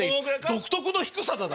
独特の低さだな。